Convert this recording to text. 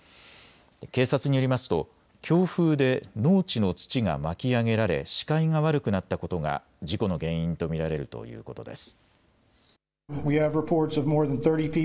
警察によりますと強風で農地の土が巻き上げられ視界が悪くなったことが事故の原因と見られるということです。